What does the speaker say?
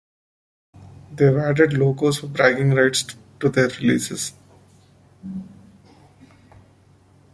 They've added logos for bragging rights to their releases.